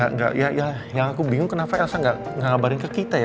enggak ya yang aku bingung kenapa elsa ngabarin ke kita ya